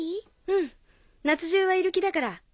うん夏中はいる気だから。